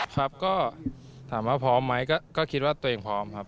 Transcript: ครับก็ถามว่าพร้อมไหมก็คิดว่าตัวเองพร้อมครับ